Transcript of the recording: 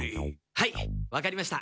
はいわかりました。